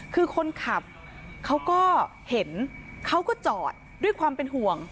คือคนขับเขาก็เห็นเขาก็จอดด้วยความเป็นห่วง